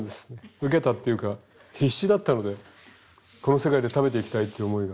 ウケたっていうか必死だったのでこの世界で食べていきたいっていう思いが。